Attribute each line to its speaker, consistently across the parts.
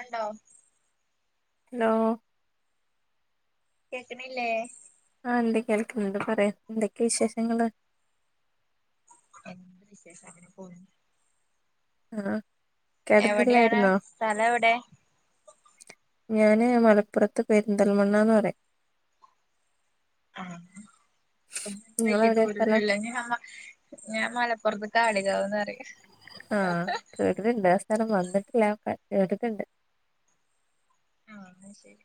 Speaker 1: എന്ണ്ടോ
Speaker 2: hello
Speaker 1: കേക്കണില്ലേ
Speaker 2: ആ ഇണ്ട് കേൾക്കുണ് ണ്ട് പറയ് എന്തൊക്കെയ വിശേഷങ്ങള്
Speaker 1: എന്തു വിശേഷം അങ്ങനെ പോണ്
Speaker 2: ആഹ്
Speaker 1: എവിടെയാണ് സ്ഥലം എവിടെ
Speaker 2: ഞാന് മലപ്പുറത്ത് പെരുന്തൽമണ്ണാന്ന് പറേം
Speaker 1: ആ ഒ വല്യ
Speaker 2: നിങ്ങളെവിടെയാ
Speaker 1: ദൂരൊന്നു
Speaker 2: സ്ഥലം
Speaker 1: ഇല്ല ഞാ ഞാൻ മലപ്പുറത്ത് കാടിയകാവെന്ന് പറയും.
Speaker 2: ആ കേട്ട് ട്ടണ്ട് [unintelligible] കേട്ട്ട്ട്ണ്ട്.
Speaker 1: ആ എന്ന ശരി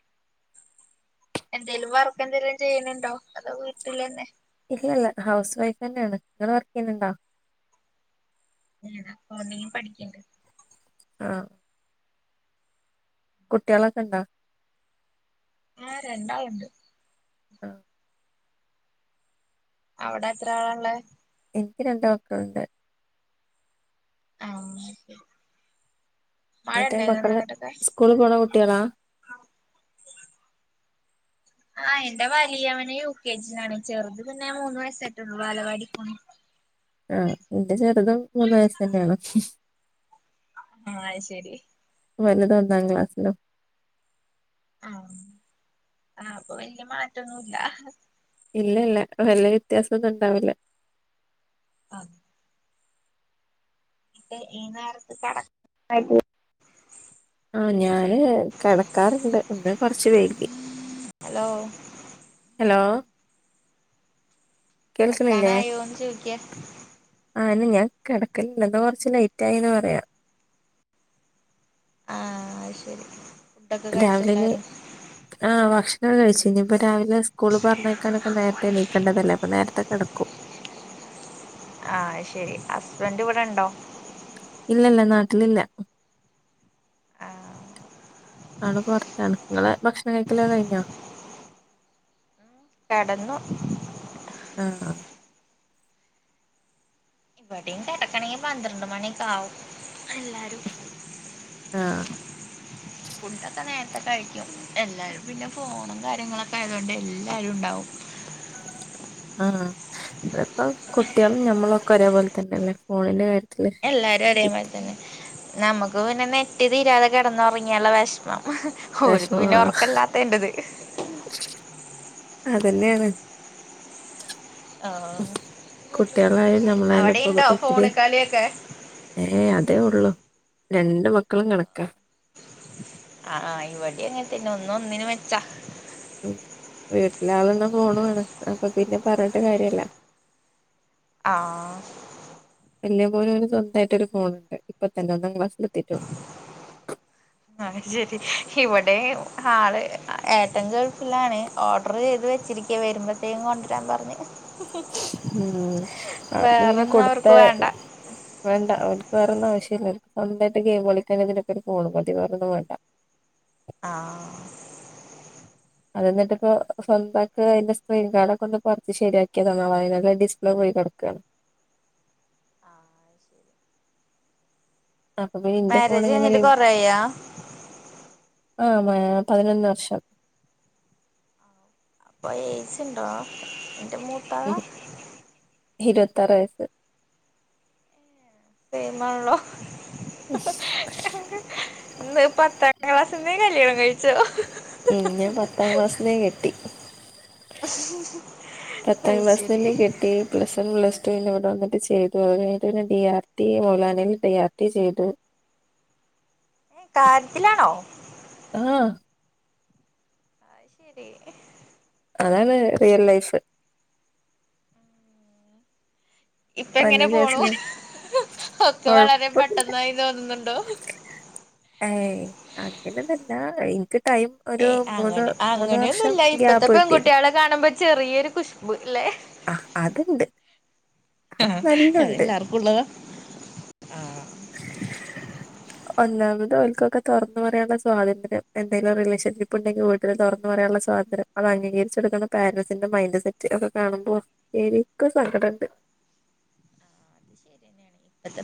Speaker 1: എന്തേലും വർക്ക് എന്തേലും ചെയ്യണണ്ടോ? അതോ വീട്ടിൽ തന്നെ
Speaker 2: ഇല്ല ഇല്ല ഹൗസ് വൈഫ് തന്നെയാണ്. ഇങ്ങൾ വർക്ക് ചെയ്യുന്നുണ്ടോ?
Speaker 1: ഞാൻ അക്കൗണ്ടിങ്ങ് പഠിക്കണ്ട്.
Speaker 2: ആ കുട്ടികളൊക്കെ ഉണ്ടോ?
Speaker 1: ആ രണ്ടാളുണ്ട്.
Speaker 2: ആ
Speaker 1: അവിടെ എത്ര ആളാ ഇള്ളേ?
Speaker 2: എനിക്ക് രണ്ടുമക്കളുണ്ട്.
Speaker 1: ആ.
Speaker 2: എത്രയാ മക്കള് സ്കൂളില് പോണ കുട്ടികളാ?
Speaker 1: ആ എന്റെ വലിയ അവൻ യു. കെ. ജിയിലാണ്. ചെറുത് പിന്നെ മൂന്ന് വയസായിട്ടുള്ളു ബാലവാടി പോണ്.
Speaker 2: ആ ഇന്റെ ചെറുതും മൂന്ന് വയസ് തന്നെയാണ്.
Speaker 1: ആ അത്ശരി.
Speaker 2: വലുത് ഒന്നാം ക്ലാസിലും.
Speaker 1: ആ ആ അപ്പൊ വല്യ മാറ്റന്നുല്ല.
Speaker 2: ഇല്ല ഇല്ല വല്യ വ്യത്യാസം ഒന്നും ഉണ്ടാവില്ല.
Speaker 1: ആ ഇ ഈ നേരത്ത് കെട [unintelligible]
Speaker 2: ആ ഞാന് കിടക്കാറുണ്ട്. ഇന്ന് കൊറച്ച് വൈകി.
Speaker 1: ഹലോ
Speaker 2: ഹലോ കേൾക്കുന്നില്ലേ
Speaker 1: കിടക്കാനായോന്ന് ചോയിക്ക?
Speaker 2: ആ ഞാൻ കിടക്കലില്ല. ഇന്ന്കൊറച്ച് ലേറ്റായിന്ന് പറയാ
Speaker 1: ആ ശരി. ഫുഡൊക്കെ കഴിച്ചോ
Speaker 2: രാവിലെ ഇനി.
Speaker 1: എല്ലാരും
Speaker 2: ആഹ് ഭക്ഷണം കഴിച്ചു. ഇനിയിപ്പ രാവിലെ സ്കൂള് പറഞ്ഞയക്കാനൊക്കെ നേരത്തെ എണീക്കണ്ടതല്ലേ. അപ്പൊ നേരത്തെ കിടക്കും.
Speaker 1: ആ അഹ്ശരി ഹസ്ബൻറ് ഇവിടെ ഉണ്ടോ?
Speaker 2: ഇല്ല ല്ല നാട്ടിലില്ല.
Speaker 1: ആഹ്
Speaker 2: ആള് പുറത്താണ്. ഇങ്ങളെ ഭക്ഷണം കഴിക്കലൊക്കെ കഴിഞ്ഞോ?
Speaker 1: ഉം കെടന്നു.
Speaker 2: ആഹ്
Speaker 1: ഇവടിം കിടക്കണെങ്കിൽ പന്ത്രണ്ട് മണിയൊക്കെ ആവും എല്ലാരും.
Speaker 2: ആഹ്
Speaker 1: ഫുഡൊക്കെ നേരത്തെ കഴിക്കും. എല്ലാരും പിന്നെ ഫോണും കാര്യങ്ങളൊക്കെ ആയതൊണ്ടെ എല്ലാരും ഉണ്ടാവും.
Speaker 2: ആ അ ഇപ്പം കുട്ടികളും ഞമ്മളൊക്കെ ഒരേപോല തന്നെയല്ലേ ഫോണിന്റെ കാര്യ
Speaker 1: എല്ലാരും ഒരേ മാതിരി തന്നെ. നമുക്ക് പിന്നെ നെറ്റ് തീരാതെ കിടന്ന് ഉറങ്ങിയാലുള്ള വെഷ്മം. ഓര്ക്ക്
Speaker 2: വിഷമ
Speaker 1: പിന്നെ ഉറക്കല്ലാത്തതിന്റെ ഇത്.
Speaker 2: അതന്നെയാണ്.
Speaker 1: ആഹ്
Speaker 2: കുട്ടികളായാലും ഞമ്മളായാലും ഇപ്പം
Speaker 1: അവിടെയുണ്ടോ
Speaker 2: എത്തിരി
Speaker 1: ഫോണ് കളിയൊക്കെ
Speaker 2: ഏഹ് അതേ ഉള്ളു രണ്ടുമക്കളും കണക്ക.
Speaker 1: ആ ഇവടിം അങ്ങനെ തന്നെ ഒന്ന് ഒന്നിന് മെച്ചാ.
Speaker 2: ഉം. വീട്ടിലാളെണ്ണംഫോൺ വേണം. അപ്പൊ പിന്നെ പറഞ്ഞിട്ട് കാര്യല്ല.
Speaker 1: ആഹ്
Speaker 2: വല്യ മോന് ഓന് സ്വന്തായിട്ട് ഒരു ഫോണുണ്ട്. ഇപ്പ തന്നെ ഒന്നാം ക്ലാസ്സി
Speaker 1: അഹ് ശരി ഇവിടെയും ആള് ഏട്ടൻ ഗൾഫിലാണ്.. ഓർഡറ് ചെയ്ത് വെച്ചിരിക്കയ വരുമ്പഴത്തേക്കും കൊണ്ടരാൻ പറഞ്ഞ്.
Speaker 2: ഉം. അത് പിന്നെ
Speaker 1: വേറൊന്നും അവർക്ക്
Speaker 2: കൊടുത്തേ
Speaker 1: വേണ്ട
Speaker 2: വേണ്ട അവൻ വേറൊന്നുംആവശ്യല്ലാറിം. [unintelligible] ഗെയിം കളിക്കാൻ ഇതിനൊക്കെ ഒരു ഫോൺ മതി വേറെന്നും വേണ്ട.
Speaker 1: ആഹ്
Speaker 2: അത് ന്നിട്ട്പ്പൊ സ്വന്തയിട്ട് അതിന്റെ സ്ക്രീൻ ഗാർഡ് ഒക്കെ ഒന്ന് പറിച്ച് ശരിയാക്യതാണ് [unintelligible] ഡിസ്പ്ലേ പോ യി കിടക്കാണ്
Speaker 1: ആ അഹ് ശരി
Speaker 2: അപ്പൊ പിന്നെ ഇന്റെ ഫോൺ
Speaker 1: മാരേജ് കഴിഞ്ഞിട്ട്
Speaker 2: ഇങ്ങനല്ലെ
Speaker 1: കൊറേയാ
Speaker 2: ആ മ് പതിനൊന്ന് വർഷം
Speaker 1: പ്പ ഏജ്ണ്ടോ? അന്റെ മൂത്താളാ
Speaker 2: ത്താറ് വയസ്സ്
Speaker 1: സെയിമാണല്ലോ ഇന്ന് പത്താം ക്ലാസ്സിന്നേ കല്യാണം കഴിച്ചോ
Speaker 2: ഉം ഞാൻ പത്താം ക്ലാസിന്നേ കെട്ടി പത്താം
Speaker 1: അത്
Speaker 2: ക്ലാസ്
Speaker 1: ശരി
Speaker 2: തന്നെ കെട്ടി പ്ലസ് വൺ പ്ലസ് ടു പിന്നെ ബ് ട വന്നിട്ട് ചെയ്തു അതൊക്കെക്കഴിഞ്ഞിട്ട് പിന്നെ ഡി ആർ ടി മൗലനയിൽ ഡി ആർ ടി ചെയ്തു.
Speaker 1: ഏ കാര്യത്തിലാണോ.
Speaker 2: ആഹ്
Speaker 1: അയ് ശരി.
Speaker 2: അതാണ് റിയൽ ലൈഫ്.
Speaker 1: ഇപ്പ എങ്ങനെ
Speaker 2: പതിനഞ്ച്
Speaker 1: പോണു
Speaker 2: വയസ്സില്
Speaker 1: ഒക്ക വളരെ
Speaker 2: കൊഴപ്പൊന്നുല്ല
Speaker 1: പെട്ടെന്നായി തോന്നുന്നു.
Speaker 2: ഏയ് അങ്ങനെന്നൊല്ല എനിക്ക്. ടൈം ഒരു
Speaker 1: ഏയ്
Speaker 2: മൂന്ന്
Speaker 1: അങ്ങനെ
Speaker 2: മൂന്ന് വർഷം
Speaker 1: അങ്ങനെന്നുല്ല ഇപ്പത്തെ
Speaker 2: ഗ്യാപ്പ് കിട്ടിയിരുന്നു
Speaker 1: പെൺകുട്ടികളെ കാണുമ്പോ ചെറിയൊരു കുശ്ബ് ല്ലെ.
Speaker 2: ആഹ് അതുണ്ട്
Speaker 1: ആ
Speaker 2: അത് നല്ലുണ്ട്
Speaker 1: അതെല്ലാർക്കുള്ളതാ ആഹാ
Speaker 2: ഒന്നാമത് ഓല്ക്കൊക്ക തൊറന്ന് പറയാനുള്ള സ്വാതന്ത്ര്യം എന്തെലും റിലേഷൻഷിപ്പ് ഇണ്ടെങ്കി വീട്ടില് തൊറന്ന് പറയള്ള സ്വാ സ്വാതന്ത്ര്യം അത് അംഗീകരിച്ചെടുക്കന്ന പെരൻസിന്റെ മൈൻഡ് സെറ്റ് അതൊ കാണുമ്പോ എനിക്ക് സങ്കടണ്ട്.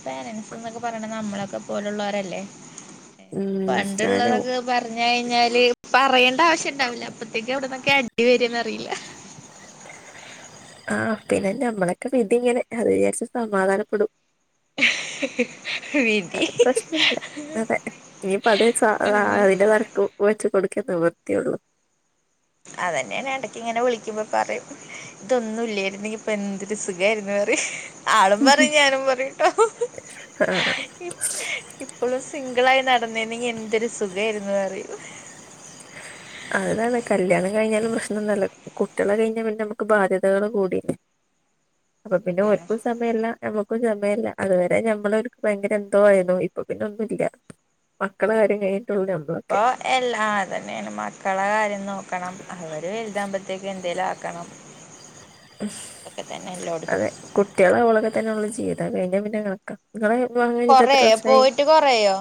Speaker 1: പെരൻറ്സ് ന്നൊക്ക പറയണ നമ്മള്ളേക്ക പോലുള്ളോരല്ലേ [inaudible]
Speaker 2: ഉം ഞാനും
Speaker 1: പണ്ടുള്ളതൊക്ക പറഞ്ഞെ ഴിഞ്ഞാല് പറയണ്ട ആവശ്യണ്ടാവില്ല അപ്പത്തേക്ക് എവിടന്നൊക്കെ അടി വരന്നറിയില്ല.
Speaker 2: ആ പിന്നെ ഞമ്മളക്ക വിധി ഇങ്ങനെ അത് വിചാരിച്ച് സമാധാനപ്പെടും.
Speaker 1: [unintelligible]
Speaker 2: വേറെ
Speaker 1: വിധി
Speaker 2: പ്രശ്നൊന്നുല്ല്യ അതെ ഇനിയിപ്പ അതെ സാ ആ അതിന്റെ താണ് ക്കു വെച്ച് കൊട്ക്കേ നിവൃത്തിയുള്ളു.
Speaker 1: അതന്നെ ഞാൻ എടക്ക് ഇങ്ങനെ വിളിക്കുമ്പോ പറയും ഇതൊന്നും ഇല്ലേയിരുന്നെങ്കി ഇപ്പൊ എന്തൊരുസുഖായിരുന്നു [unintelligible] ആളും പറയും ഞാനും പറയൂട്ടോ
Speaker 2: ആഹ്
Speaker 1: ഇപ് ഇപ്പോളും സിംഗിളായി നടന്നേർന്നെങ്കി എന്തൊരു സുഖായിരുന്നു റയും
Speaker 2: [unintelligible] കല്യാണം കഴിഞ്ഞാലും പ്രശ്നൊന്നല്ല കുട്യാളായ് കഴിഞ്ഞാ പിന്നമ്മക്ക് ബാധ്യതകള് കൂടിലെ അപ്പൊ പിന്നെ
Speaker 1: ശരിയാണ്
Speaker 2: ഓര്ക്കും സമയല്ലാ നമ്മു ക്കും സമയല്ല അതുവരെ ഞമ്മളൊര്ക്ക് ഭയങ്കര എന്തോ ആയിര്ന്നു ഇപ്പൊ പിന്നെ ഒന്നുല്ല മക്കള കാര്യം കയി
Speaker 1: പ്പൊ എല്ലാ അതെന്നെയാണ് മക്കളെ കാര്യം നോക്കണം അവര് വലുതാമ്പത്തേക്ക് എന്തേലും ആക്കണം അതൊക്കെ തന്നെ എല്ലോടത്തും
Speaker 2: അതെ കുട്യാള് ആവോളൊക്കെ തന്നെ ഉള്ളു ജീവിതം അത് കഴിഞ്ഞ പിന്നെ കണക്കാ ങ്ങള് വിവാഹം കഴിഞ്ഞിട്ട് എത്ര
Speaker 1: കൊറേയോ
Speaker 2: വർഷായി
Speaker 1: പോയിട്ട് കൊറേയോ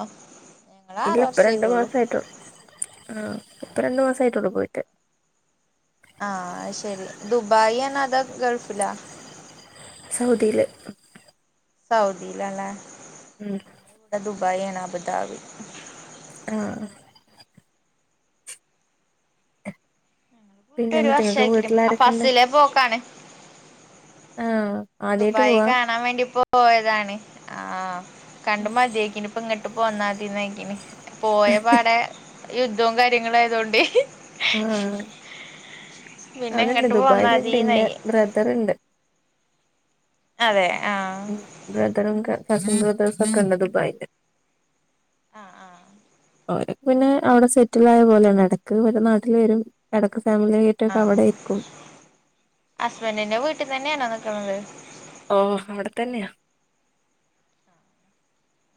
Speaker 1: ഞങ്ങള് ആറ്
Speaker 2: ഇല്ല ഇപ്പ രണ്ടു
Speaker 1: വർഷായിട്ടുള്ളൂ
Speaker 2: മാസായ്ട്ട്ള്ളു ആഹ് ഇപ്പ രണ്ടു മാസായിട്ട്ള്ളു പോയിട്ട്
Speaker 1: ആഹ് ശെരി ദുബായ് ആണ അതൊ ഗൾഫിലാ
Speaker 2: സൗദീല്
Speaker 1: സൗദീലാല്ലെ
Speaker 2: ഉം
Speaker 1: ബായാണ് അബുദാബി
Speaker 2: ആഹ്
Speaker 1: പോയിട്ട്
Speaker 2: പിന്നെ
Speaker 1: ഒരു
Speaker 2: എന്നിട്ട് നിങ്ങക്ക്
Speaker 1: വർഷായ്ക്ണ്
Speaker 2: വീട്ടിലാരൊക്കെണ്ട്
Speaker 1: [unintelligible] പോക്കാണ്
Speaker 2: ആഹ് ആദ്യായിട്ട്
Speaker 1: ദുബായ്
Speaker 2: പോവാ
Speaker 1: കാണാൻ വേണ്ടി പോയതാണ് ആഹ് കണ്ട് മതെയ്ക്ണ്പ്പങ്ങ്ട്ട് പോന്നാതീനായ്ക്ക്ണ് പോയ പാടെ യുദ്ധവും കാര്യങ്ങളും ആയതോണ്ടെ
Speaker 2: ആഹ്
Speaker 1: പിന്നെ
Speaker 2: അതെന്നെ
Speaker 1: ഇങ്ങട്ട്
Speaker 2: ദുബായ്ല്ണ്ട്ൻ്റെ
Speaker 1: പോന്നാതീന്നായി
Speaker 2: ബ്രദറ്ണ്ട്
Speaker 1: അതെ അഹ്
Speaker 2: ഉം ബ്രദറും ക കസിൻ ബ്രദേഴ്സൊക്കെണ്ട് ദുബായ്ല്
Speaker 1: ആഹ് ആഹ്
Speaker 2: ഓലാെക് പിന്നേ അവ്ടെ സെറ്റ്ലായ പോലേണ് എടക്ക് വരും നാട്ട്ല് വെരും എടക്ക് ഫാമിലി
Speaker 1: ആ
Speaker 2: ആയിട്ടൊക്കെ അവിടെ ഇരിക്കും
Speaker 1: ഹസ്ബന്റിന്റെ വീട്ട്തന്നെണോ നിക്ക്ണത്
Speaker 2: ഓ അവിടെതന്നെയാ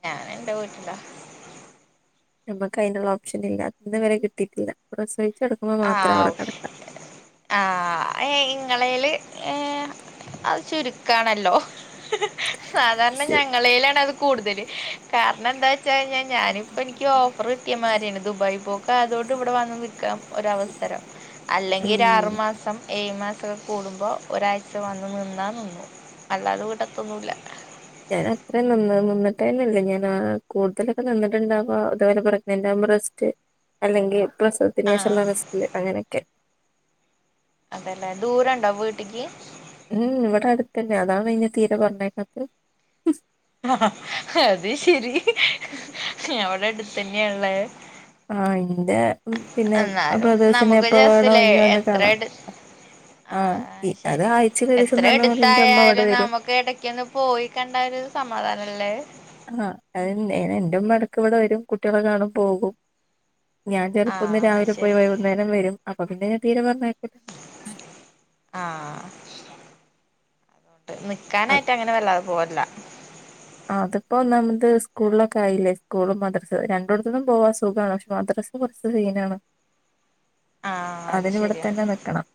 Speaker 1: ഞാനെൻ്റെ വീട്ട്ലാ
Speaker 2: നമ്മക്ക് ഐനുള്ള ഓപ്ഷൻ ഇല്ല ഇത്വരെ കിട്ടീട്ടില്ല പ്രസവിച്ച് കെടക്കുമ്പോ മാത്രം അവിടെ
Speaker 1: ആവ് ആ എ ഇങ്ങളീല് ഏ അത് ചുരുക്കാണല്ലോ സാധാരണ
Speaker 2: കെടക്കാം
Speaker 1: ഞങ്ങളീലാണാത് കൂടുതല് കാരണന്താ ചൈഞാ ഞാനിപ്പനിക്ക് ഓഫർകിട്ടിയമാരിയാണ് ദുബായി പോക്കായതോണ്ട് ഇവിടെവന്ന് നിക്കാം അവസരം അല്ലെങ്കിരാറു
Speaker 2: ഉം
Speaker 1: മാസം ഏഴ് യ് മാസകൂടുമ്പോ ഒരാഴ്ച വന്ന് നിന്നാ നിന്നു അല്ലാതെ വീടത്തൊന്നൂല്ല
Speaker 2: ഞാനത്രയും നിന്ന് നിന്ന്ട്ടെന്നെല്ല ഞാൻ ആ കൂടുതലൊക്കെ നിന്നിട്ടുണ്ടാവ തുപോലെ പ്രഗ്നൻ്റ് റസ്റ്റ് അല്ലെങ്കിൽ പ്രസവത്തിേനേ
Speaker 1: ആഹ്
Speaker 2: ഷള്ളറസ്റ്റ്അങ്ങനെയൊക്കെ
Speaker 1: അതെലേ ദൂരണ്ടോ വീട്ടിക്ക്
Speaker 2: ഉം ഇവിടെ അടുത്തന്നെ അതാണ് ഇഞ്ഞെ തീരെ പറഞ്ഞയക്കാത്ത്
Speaker 1: അത് ശരി ഏ വ്ടെ അടുത്തന്നേൺലെ
Speaker 2: ആ ഇൻ്റെ
Speaker 1: എന്നാലും നമുക്ക് രസലേ
Speaker 2: ഇന്നെ വന്ന് കാണാം
Speaker 1: എത്രട് ആ
Speaker 2: ആഹ് അത്
Speaker 1: ഹ്ശരി
Speaker 2: ആഴ്ചയിൽ ഒരു ദിവസം പറഞ്ഞ പോലെ എന്റെ അമ്മ ഇവിടെ
Speaker 1: എത്രടുത്തായാലും
Speaker 2: വരും
Speaker 1: നമുക്ക് ഇടക്കൊന്ന് പോയി കണ്ട ത് സമാധാനല്ലേ
Speaker 2: ആ അതെൻ എ എന്റെമ്മടക്ക്വ്ടെ വരും കുട്ടേളെ കാണും പോകും ഞാൻ ചെലപ്പൊന്ന്
Speaker 1: ആഹ് അത്
Speaker 2: രാവിലെ പോയി
Speaker 1: ശരി
Speaker 2: വൈകുന്നേരംവരും അപ്പപിന്നെ തീരെ പറഞ്ഞ
Speaker 1: ആ നിക്കാനായിട്ടങ്ങനെ വല്ലാതെ പോവാറില്ല
Speaker 2: ആത്പ്പോന്നാമദ് സ്കൂള്ലൊക്കായില്ലേ സ്കൂളും മദ്രസ് രണ്ടോട്ത്ത്ന്നും പോവാസുഖാണ് പഷ് മദ്ര ദ്രസ് കൊർച്ച് സീനാണ്
Speaker 1: ആഹ് അത് ശരിയാ
Speaker 2: അതിനിവിടെത്തന്നെ നിക്കണം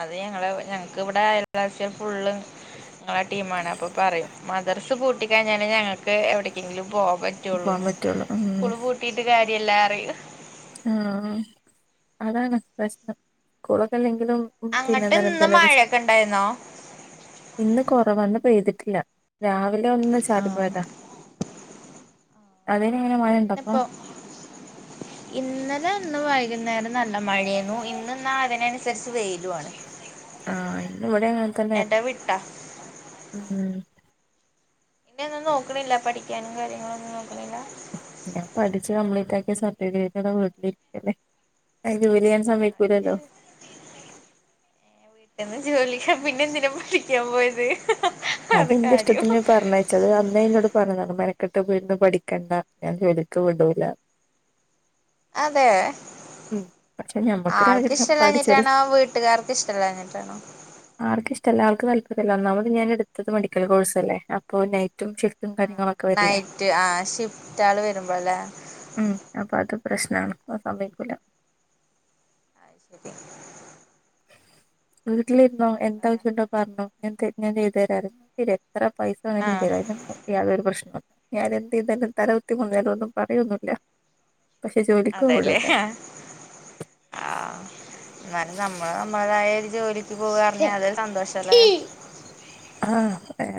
Speaker 1: അത് ഞങ്ങളെവ് ഞങ്ങക്ക്വ്ടെ അയൽവാസൃൾ ഫുള്ള് ങ്ങളെ ടീമാണ് അപ്പൊപറയും മദർസ് പൂട്ടികഴിഞ്ഞാല് ഞങ്ങൾക്ക് എവിടേക്കെങ്കിലും പോ
Speaker 2: പോവാൻ
Speaker 1: പറ്റൊള്ളൂന്ന്
Speaker 2: പറ്റുള്ളൂ ഉം
Speaker 1: സ്കൂള്പൂട്ടീറ്റ് കാര്യല്ലാറിയും
Speaker 2: ആ ആ അതാണ് പ്രശ്നം കൂ ളകില്ലെങ്ക് ങ്കിലും
Speaker 1: അങ്ങട്ട്
Speaker 2: പിന്നന്തറ
Speaker 1: ഇന്ന്
Speaker 2: [unintelligible]
Speaker 1: മഴയൊക്കെ ഉണ്ടായിരുന്നോ
Speaker 2: ഇന്ന് കൊറവാന്ന് പെയ്തിട്ടില്ല രാവിലൊന്ന് ചാറി
Speaker 1: ആഹ്
Speaker 2: പോയതാ അത് ങ്ങനെ മഴണ്ടപ്പൊ
Speaker 1: ഇന്നിപ്പം ഇന്നലെ ഇന്ന് വൈകുന്നേരം നല്ല മഴൈനു ഇന്ന്ന്നാ അതിനനുസരിച്ച് വൈലുആണ്
Speaker 2: ആ ഇന്ന്വ്ടെങ്ങൻതന്നെ
Speaker 1: വിട്ടാ
Speaker 2: ഉം
Speaker 1: പിന്നെന്നും നോക്ക്ണില്ല പഠിക്കാനും കാര്യങ്ങളൊന്നും നോക്ക്ണില്ലാ
Speaker 2: ഞാംപഠിച്ച് കംപ്ലീറ്റാക്കിയ സർട്ടിഫിക്കതാവീട്ടിലിരിക്കല്ലേ അത് ജോലിചെയ്യണ സമയ
Speaker 1: വീട്ടന്ന് ജോലിക്ക പിന്നെന്തിന പഠിക്കാൻ പോയത്? അത്
Speaker 2: അതെന്റെ
Speaker 1: കാര്യം
Speaker 2: ഇഷ്ടത്തിന് പറഞ്ഞയച്ചത് അന്നേ എന്നോട് പറഞ്ഞതാണ് മന ക്കെട്ടിപ്പരുന്നു പഠിക്കണ്ട, ഞാൻ ജോലിക്ക് വിടൂലാന്ന്.
Speaker 1: അതെ?
Speaker 2: പക്ഷെ
Speaker 1: ആൾക്ക്
Speaker 2: ഞമ്മക്കൊരാഗ്രഹം പഠിച്ചൊരു
Speaker 1: ഇഷ്ല്ലാഞ്ഞിട്ടാണോ വീട്ടുകാർക്ക് ഇഷ്ടല്ലാഞ്ഞിട്ടാണോ?
Speaker 2: എല്ലാർക്കും തല്പര്യില്ല ഒന്നാമത് ഞാനെടുത്തത് മെഡിക്കൽ കോഴ്സല്ലേ അപ്പോ നൈറ്റും ഷിഫ് റ്റും കാര്യങ്ങളൊക്കെ വരില്ലേ
Speaker 1: നൈറ്റ് ആ ഷിഫ്റ്റാള് വരുമ്പോല്ലേ
Speaker 2: ഉം അപ്പൊ അത് പ്രശ്ന നാണ് പ്പോ സമ്മയിക്കൂല.
Speaker 1: [unintelligible]
Speaker 2: വീട്ടിലിരുന്നോ എന്താവശ്യം ഉണ്ടോ പറഞ്ഞോ ഞാൻ ചെയ് ഞാൻ ചെയ്തു തരാവെ എത്ര പൈസ വേണേലും
Speaker 1: ആഹ്
Speaker 2: തരാ അയിനൊന്നും എക്ക് യാതൊരു പ്രശ്നോ ഞാൻ എന്ത് ചെയ്താലും തല കുത്തി മറിഞ്ഞാലും ഒന്നും പറയോന്നുവില്ല.
Speaker 1: അതെല്ലേ ആ എന്നാലും നമ്മ നമ്മടെതായ ഒരു ജോലിക്ക് പോവ്വാറഞ്ഞാല് അത് സന്തോഷള്ള കാര്യാ
Speaker 2: ആ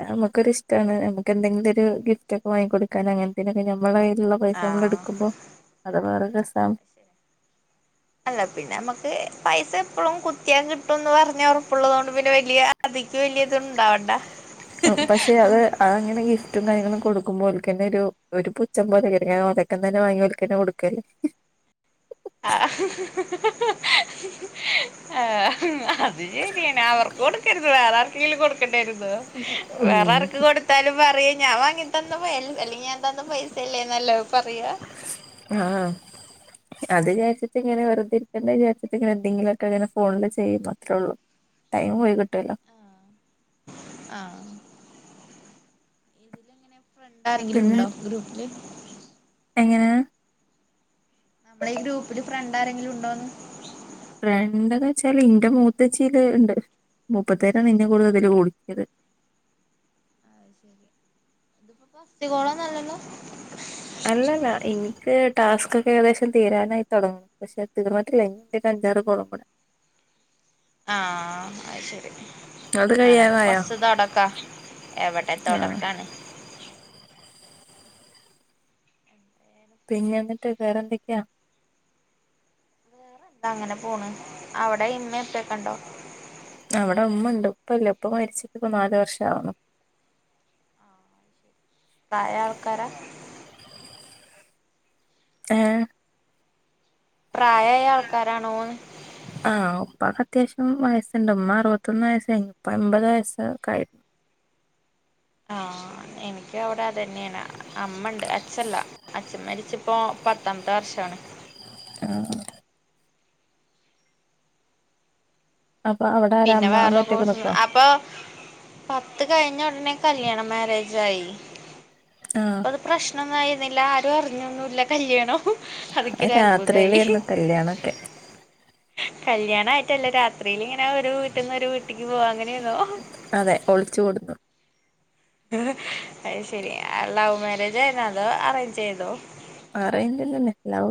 Speaker 2: നമുക്കൊരിഷ്ടാണ് നമ്മക്ക് എന്തെങ്കിലും ഒരു ഗിഫ്റ്റ് ഒക്കെ വാങ്ങിക്കൊടുക്കാൻ അങ്ങനത്തേനൊക്കെ ഞമ്മള ലുള്ള പൈസ നമ്മൾ
Speaker 1: ആഹ്
Speaker 2: എടുക്കുമ്പോ അത് വേറെ രസാണ്.
Speaker 1: അല്ല പിന്നെമ്മക്ക് പൈസ എപ്പളും കുത്തിയാ കിട്ടുംന്ന് പറഞ്ഞ ഞ്ഞ ഉറപ്പുള്ളതുകൊണ്ട് പിന്നെ വലിയ അതിക്ക് വലിയ ഇത് ഉണ്ടാവണ്ട.
Speaker 2: ന്നെ ഗിഫ്റ്റും കാര്യങ്ങളും ക്കുമ്പോല്ക്കന്നെ ഒരു ഒരു പുച്ഛം പോലെ കരുങ്ങാ ഓല്ടക്കെന്ന് തന്നെ വാങ്ങി ഓല്ക്കന്നെ കൊടുക്വല്ലേ.
Speaker 1: ആ ആ അത് ശരിയന്നെ അവർക്ക കൊടുക്കരുത് വേറാർക്കെങ്കിലും കൊടുക്കണ്ടായിരുന്നോ
Speaker 2: ഉം
Speaker 1: വേറാർക്ക് കൊടുത്താലും പറയ ഞാൻ വാങ്ങിയ തന്ന പറയല അല്ലെങ്കി ഞാന്തന്ന പൈസയല്ലേ എന്നല്ലേ പറയ്യാ.
Speaker 2: ആ അത് വിചാരിച്ചിട്ടിങ്ങനെ വെറുതെരിക്കേണ്ട വിചരിച്ചിട്ടിങ്ങനെ എന്തെങ്കിലുമൊക്കെ അങ്ങനെ ഫോണില് ചെയ്യും അത്രേ ഒള്ളൂ. ടൈം പോയി കിട്ട്വല്ലോ.
Speaker 1: ആ ഇതിലിങ്ങനെ ഫ്രണ്ടാരെങ്കിലും
Speaker 2: പിന്നെ
Speaker 1: ഉണ്ടോ ഗ്രൂപ്പില്?
Speaker 2: എങ്ങനെ
Speaker 1: നമ്മള ഈ ഗ്രൂപ്പില് ഫ്രണ്ട് ആരെങ്കിലും ഉണ്ടോന്ന്?
Speaker 2: ഫ്രണ്ടെന്ന്വച്ചാല് ഇന്റെ മൂത്തേച്ചീടെ ഉണ്ട്. മൂപ്പത്യാരാണ് ഇന്നെ കൂടുതലു ഇതില് കുടുക്കിയത്.
Speaker 1: അ ശരി ഇതിപ്പോ ഫസ്റ്റ് കോളൊന്ന്വല്ലല്ലോ?
Speaker 2: അല്ലല്ല എനിക്ക് ടാസ്കൊക്കെ ഏകദേശം തീരാനായി തുടങ്ങുന്നു പക്ഷെ തീർന്നിട്ടില്ല ഇനി തീർക്കാനുണ്ട് അഞ്ചാറ് കോളോക്കടെ
Speaker 1: [unintelligible] ആ അത് ശരി
Speaker 2: അത്
Speaker 1: ഞാനൊക്കെ
Speaker 2: കഴിയാറായോ
Speaker 1: ഫസ്റ്റ് തൊടക്കാ. എവിടെ
Speaker 2: ആഹ്
Speaker 1: തൊടക്കാണ്.
Speaker 2: പിന്നെന്നിട്ട് വേറെന്തൊക്കെയാ?
Speaker 1: എന്ത അങ്ങനെ പോണ് അവിടെ ഇന്ന് ഉപ്പേക്കൊണ്ടോ?
Speaker 2: അവിടെ ഉമ്മണ്ട് ഉപ്പല്ല ഉപ്പ മരിച്ചിട്ടിപ്പ നാലു വർഷാവണ്.
Speaker 1: ആ ശരി പ്രായായ ആൾക്കാരാ?
Speaker 2: ആ
Speaker 1: പ്രായായ ആൾക്കാരാണോന്ന്?
Speaker 2: ആഹ് ഉപ്പാക്ക് അത്യാവശ്യം വയസ്സുണ്ട് ഉമ്മ അറുപത്തൊന്ന് വയസ് കഴിഞ്ഞു ഉപ്പ എമ്പതു വയസൊക്കായിരുന്നു.
Speaker 1: ആ എനിക്ക് അവിടെ അത് തന്നെയാണ് അമ്മണ്ട് അച്ഛല്ല അച്ഛൻ മരിച്ചിപ്പോ പത്താമത്തെ വർഷാണ്. ഉം
Speaker 2: ആ അപ്പൊ അവിടെ ആരാ
Speaker 1: പിന്നെ
Speaker 2: അമ്മ
Speaker 1: വേറെ
Speaker 2: അമ്മ
Speaker 1: കോ
Speaker 2: ഒറ്റക്ക് നിക്കുവോ
Speaker 1: അപ്പൊ പത്ത് കഴിഞ്ഞോ കല്യാ മാരേജ ആയി
Speaker 2: ആഹ്
Speaker 1: അപ്പൊ പ്രശ്ന ല്ല ആരും അറിഞ്ഞൊന്നുംല്ല കല്യാണം അതിക്കൊരു അത്ഭുതായി
Speaker 2: രാത്രിയിലായിരുന്നു കല്യാണൊക്കെ
Speaker 1: കല്യാണ ആയിട്ടല്ല രാത്രിൽ ഇങ്ങനെ ഒരു വീട്ടിൽന്ന് ഒരു വീ ട്ടിക്ക് പോവാ അങ്ങനെയന്നോ
Speaker 2: അതെ ഒളിച്ചു കൂടുന്നു
Speaker 1: അ ശരി ലവ് മാരേജ് ആയിനോ അതോ അറേഞ്ച് ചെയ്തോ
Speaker 2: അറെയ്ഞ്ചന്നെ ലൗ